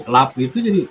lap itu jadi